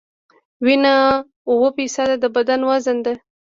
وینه اووه فیصده د بدن وزن ده.